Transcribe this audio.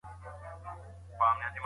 تحفې به مهمې پاته نه سي.